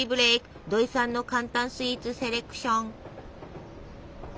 土井さんの簡単スイーツセレクション。